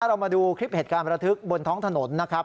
เรามาดูคลิปเหตุการณ์ประทึกบนท้องถนนนะครับ